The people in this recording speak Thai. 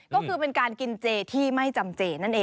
ก็คือเป็นการกินเจที่ไม่จำเจนั่นเอง